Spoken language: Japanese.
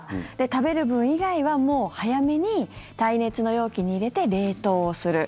食べる分以外はもう早めに耐熱の容器に入れて冷凍をする。